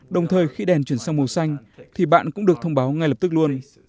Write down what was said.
đồng thời khi đèn chuyển sang màu xanh thì bạn cũng được thông báo ngay lập tức luôn